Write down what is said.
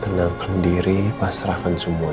tenangkan diri pasrahkan semuanya sama allah